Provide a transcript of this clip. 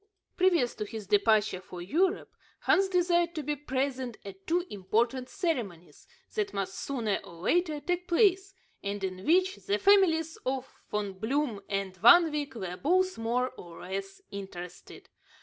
Previous to his departure for Europe, Hans desired to be present at two important ceremonies that must sooner or later take place, and in which the families of Von Bloom and Van Wyk were both more or less interested.